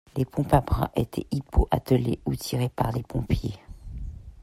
Les pompes à bras étaient hippo-attelées ou tirées par les pompiers.